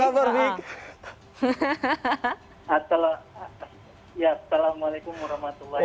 assalamualaikum warahmatullahi wabarakatuh